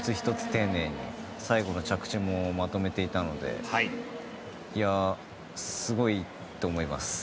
丁寧に最後の着地もまとめていたのですごいと思います。